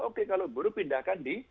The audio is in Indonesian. oke kalau buruh pindahkan di